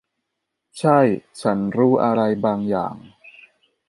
ใช่ ฉันรู้อะไรบางอย่าง